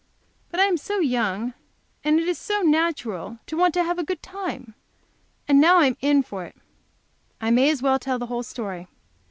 But I am so young, and it is so natural to want to have a good time! And now I am in for it I may as well tell the whole story.